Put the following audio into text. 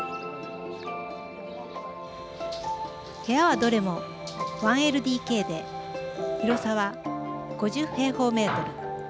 部屋はどれも１ＬＤＫで広さは５０平方メートル。